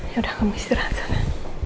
yaudah kamu istirahat sana